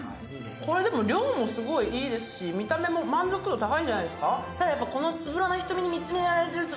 これ、量もすごいいいですし、見た目も満足度高いんじゃないですか。